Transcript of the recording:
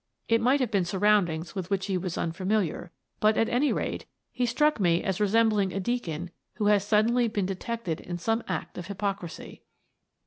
It might At "The Listening Pipes" 15 have been surroundings with which he was un familiar, but, at any rate, he struck me as resem bling a deacon who has suddenly been detected in some act of hypocrisy.